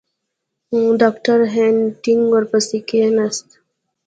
ډاکټر هینټیګ ورپسې کښېنست.